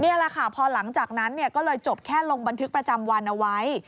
นี่แหละค่ะพอหลังจากนั้นก็เลยจบแค่ลงบันทึกประจำวันเอาไว้